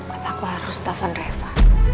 apakah harus taufan reva